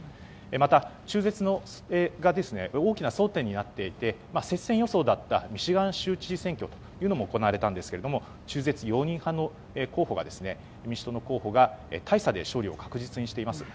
また中絶が大きな争点になっていて接戦予想だったミシガン州知事選挙も行われたんですけど中絶容認派の民主党の候補が大差で勝利を確実にしています。